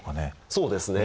そうですね。